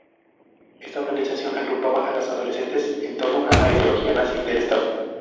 Esta organización agrupaba a las adolescentes en torno a la ideología nazi del Estado.